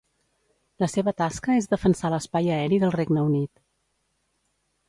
La seva tasca és defensar l'espai aeri del Regne Unit.